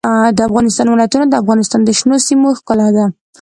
د افغانستان ولايتونه د افغانستان د شنو سیمو ښکلا ده.